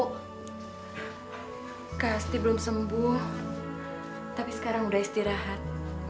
kak sti belum sembuh tapi sekarang udah istirahat